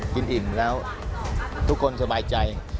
อิ่มแล้วทุกคนสบายใจ